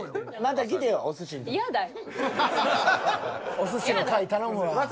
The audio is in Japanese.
お寿司の回頼むわ。